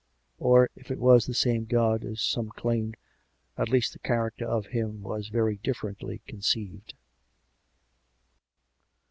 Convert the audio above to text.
Or, if it were the same God, as some claimed, at least the character of Him was very differently conceived.